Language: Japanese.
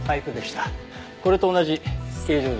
これと同じ形状です。